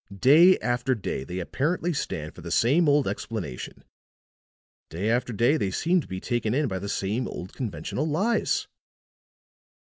Day after day they apparently stand for the same old explanation day after day they seem to be taken in by the same old conventional lies."